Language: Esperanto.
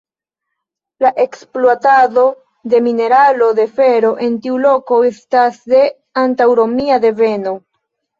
La ekspluatado de la mineralo de fero en tiu loko estas de antaŭromia deveno.